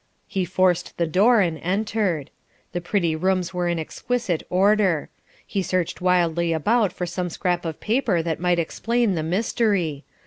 He forced the door and entered. The pretty rooms were in exquisite order. He searched wildly about for some scrap of paper that might explain the mystery.